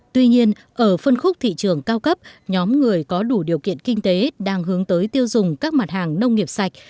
tuy nhiên ở phân khúc thị trường cao cấp nhóm người có đủ điều kiện kinh tế đang hướng tới tiêu dùng các mặt hàng nông nghiệp sạch